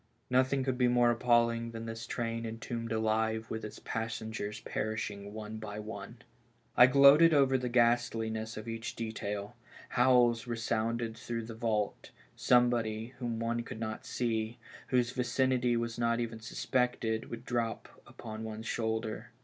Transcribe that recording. Nothing could be more appalling than this train entombed alive with its passengers perishing one by one. I gloated over the ghastliness of each detail ; howls resounded through the vault ; somebody, whom one could not see, whose vicinity was not even suspected, would drop upon one's shoulder.